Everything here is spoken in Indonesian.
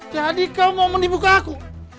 jadi kau mau menipu ke aku